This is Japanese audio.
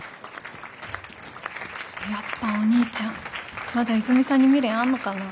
やっぱお兄ちゃんまだ泉さんに未練あんのかな。